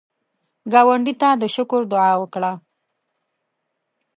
ګاونډي ته د شکر دعا وکړه